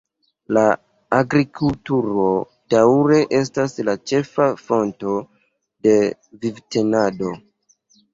La agrikulturo daŭre estas la ĉefa fonto de vivtenado.